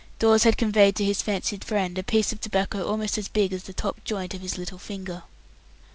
Dawes had conveyed to his fancied friend a piece of tobacco almost as big as the top joint of his little finger.